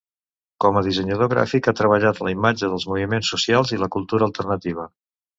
Com a dissenyador gràfic ha treballat la imatge dels moviments socials i la cultura alternativa.